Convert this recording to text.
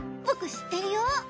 僕知ってるよ。